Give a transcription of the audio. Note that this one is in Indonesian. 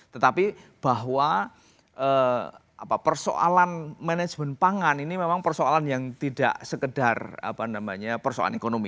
tetapi bahwa persoalan manajemen pangan ini memang persoalan yang tidak sekedar persoalan ekonomi